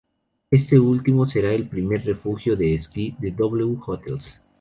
Este último será el primer refugio de esquí de W Hotels.